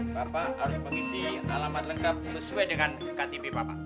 bapak harus mengisi alamat lengkap sesuai dengan ktp bapak